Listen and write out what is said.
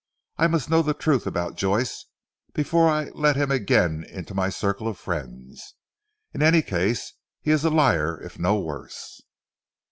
I must know the truth about Joyce before I let him again into my circle of friends. In any case he is a liar if no worse."